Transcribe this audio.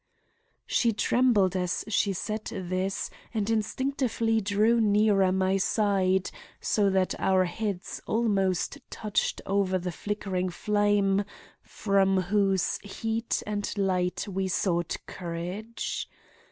"She trembled as she said this, and instinctively drew nearer my side so that our heads almost touched over the flickering flame from whose heat and light we sought courage.